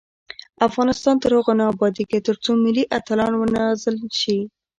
افغانستان تر هغو نه ابادیږي، ترڅو ملي اتلان ونازل شي.